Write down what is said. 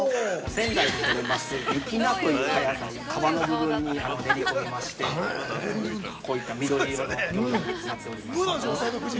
◆仙台でとれます雪菜という葉野菜皮の部分に練り込みましてこういった緑色の餃子になっております。